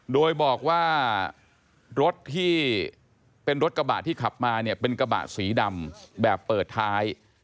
โดยบอกว่ารถที่เป็นรถกระบะที่ขับมาเนี่ยเป็นกระบะสีดำแบบเปิดท้าย